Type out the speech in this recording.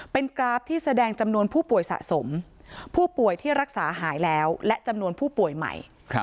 เป็นกราฟที่แสดงจำนวนผู้ป่วยสะสมผู้ป่วยที่รักษาหายแล้วและจำนวนผู้ป่วยใหม่